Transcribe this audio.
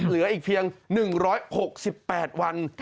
เหลืออีกเพียง๑๖๘วัน